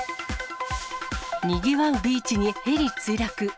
にぎわうビーチにヘリ墜落。